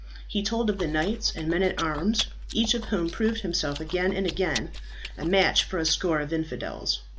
He told of the knights and men at arms, each of whom proved himself again and again a match for a score of infidels.